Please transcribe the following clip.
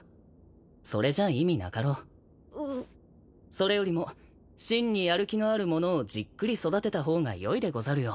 それよりも真にやる気のある者をじっくり育てた方がよいでござるよ。